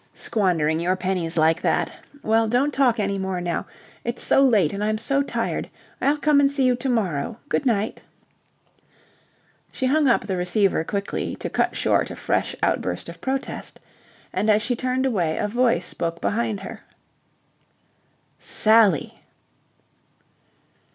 Squandering your pennies like that... Well, don't talk any more now. It's so late and I'm so tired. I'll come and see you to morrow. Good night." She hung up the receiver quickly, to cut short a fresh outburst of protest. And as she turned away a voice spoke behind her. "Sally!"